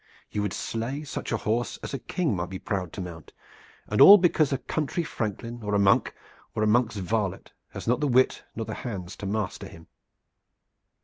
You would slay such a horse as a king might be proud to mount, and all because a country franklin, or a monk, or a monk's varlet, has not the wit nor the hands to master him?"